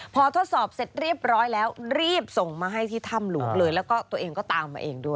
พอทดสอบเสร็จเรียบร้อยแล้วรีบส่งมาให้ที่ถ้ำหลวงเลยแล้วก็ตัวเองก็ตามมาเองด้วย